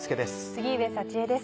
杉上佐智枝です。